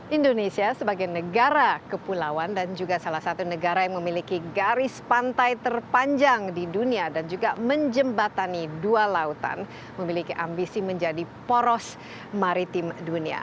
indonesia sebagai negara kepulauan dan juga salah satu negara yang memiliki garis pantai terpanjang di dunia dan juga menjembatani dua lautan memiliki ambisi menjadi poros maritim dunia